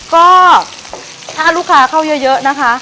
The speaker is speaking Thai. ก็ถ้าลูกค้าเข้าเยอะนะคะ